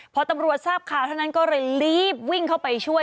พอตำรวจทราบข่าวเท่านั้นก็เลยรีบวิ่งเข้าไปช่วย